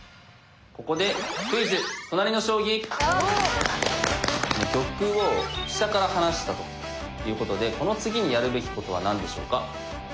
ここで玉を飛車から離したということでこの次にやるべきことは何でしょうか？